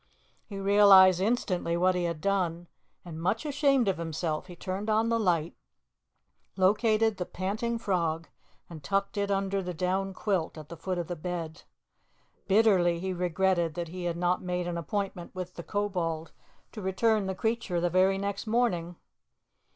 He realized instantly what he had done, and much ashamed of himself, he turned on the light, located the panting frog, and tucked it under the down quilt at the foot of the bed. Bitterly he regretted that he had not made an appointment with the Kobold to return the creature the very next morning.